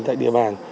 tại địa bàn